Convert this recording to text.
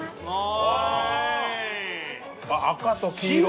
赤と黄色。